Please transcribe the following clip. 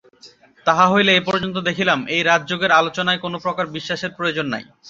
তাহা হইলে এ-পর্যন্ত দেখিলাম, এই রাজযোগের আলোচনায় কোন প্রকার বিশ্বাসের প্রয়োজন নাই।